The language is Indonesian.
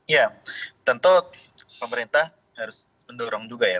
ya tentu pemerintah harus mendorong juga ya